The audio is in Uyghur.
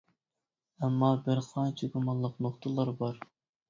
ئەمما بىر قانچە گۇمانلىق نۇقتىلار بار.